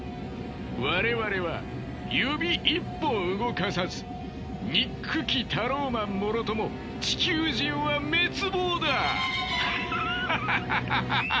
我々は指一本動かさず憎きタローマンもろとも地球人は滅亡だ！ハハハハハハ！